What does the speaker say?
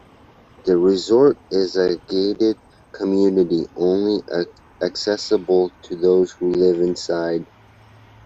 The resort is a gated community only accessible to those who live inside.